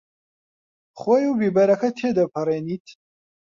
خوێ و بیبەرەکە تێدەپەڕێنیت؟